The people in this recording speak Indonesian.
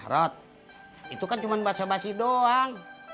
rot itu kan cuma basah basi doang